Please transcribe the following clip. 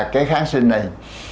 cái kháng sinh này